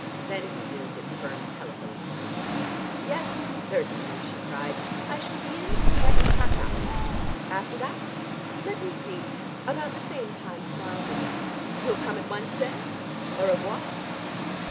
Then it resumed its firm telephone tone. "Yes, certainly," she cried. "I shall be in for the next half hour. After that? Let me see; about the same time to morrow morning. You'll come at once then? Au revoir."